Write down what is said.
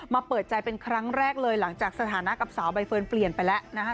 เปิดใจเป็นครั้งแรกเลยหลังจากสถานะกับสาวใบเฟิร์นเปลี่ยนไปแล้วนะฮะ